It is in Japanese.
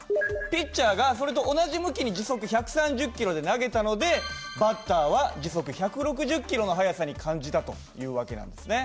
ピッチャーがそれと同じ向きに時速１３０キロで投げたのでバッターは時速１６０キロの速さに感じたという訳なんですね。